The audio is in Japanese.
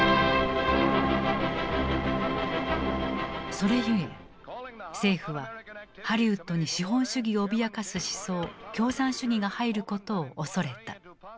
それゆえ政府はハリウッドに資本主義を脅かす思想共産主義が入ることを恐れた。